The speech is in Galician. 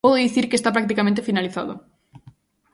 Podo dicir que está practicamente finalizado.